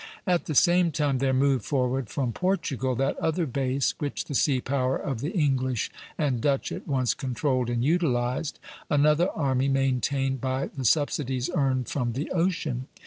At the same time there moved forward from Portugal that other base which the sea power of the English and Dutch at once controlled and utilized another army maintained by the subsidies earned from the ocean.